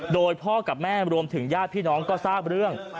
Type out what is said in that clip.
โดยพ่อกับแม่รวมถึงญาติพี่น้องก็ทราบเรื่อง